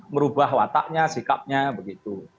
merubah wataknya sikapnya begitu